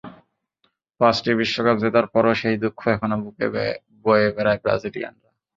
পাঁচটি বিশ্বকাপ জেতার পরও সেই দুঃখ এখনো বুকে বয়ে বেড়ায় ব্রাজিলিয়ানরা।